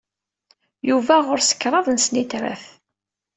Yuba ɣur-s kraḍ n snitrat.